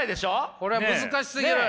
これは難しすぎる！